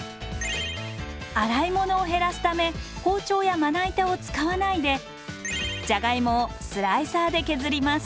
洗い物を減らすため包丁やまな板を使わないでじゃがいもをスライサーで削ります。